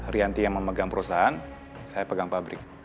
rianti yang memegang perusahaan saya pegang pabrik